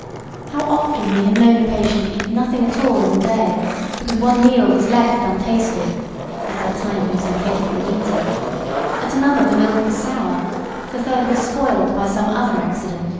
How often we have known a patient eat nothing at all in the day, because one meal was left untasted (at that time he was incapable of eating), at another the milk was sour, the third was spoiled by some other accident.